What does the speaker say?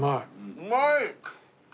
うまい！